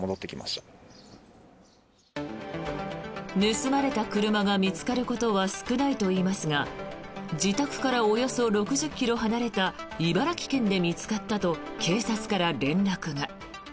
盗まれた車が見つかることは少ないといいますが自宅からおよそ６０ｋｍ離れた茨城県で見つかったと警察から連絡が。